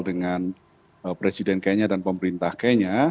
dengan presiden kenya dan pemerintah kenya